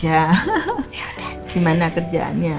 yaudah gimana kerjaannya